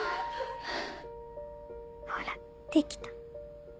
ほらできた。